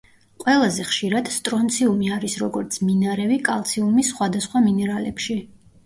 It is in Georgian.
ყველაზე ხშირად სტრონციუმი არის როგორც მინარევი კალციუმის სხვადასხვა მინერალებში.